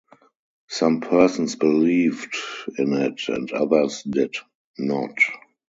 Some persons believed in it and others did not.